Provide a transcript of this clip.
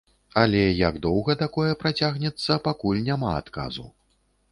Але як доўга такое працягнецца, пакуль няма адказу.